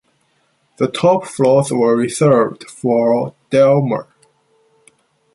The top floors were reserved for Dalmor.